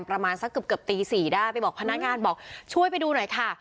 ประมาณสักเกือบตี๔ได้ไปบอกพนักงานบอกช่วยไปดูหน่อยค่ะ